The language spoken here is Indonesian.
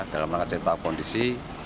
dalam rangka cipta kondisi